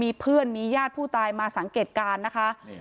มีเพื่อนมีญาติผู้ตายมาสังเกตการณ์นะคะ